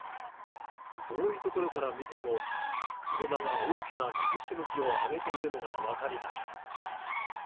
遠いところから見ても車が大きな水しぶきを上げているのが分かります。